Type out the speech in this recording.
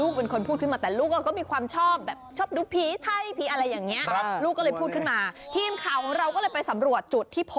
คุณผู้ชามชื่อคุณสาวมีคำว่าที่นั่งแม่ของเรียกคลับไว้